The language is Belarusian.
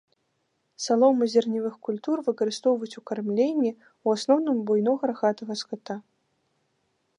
Салому зерневых культур выкарыстоўваюць у кармленні, у асноўным буйнога рагатага ската.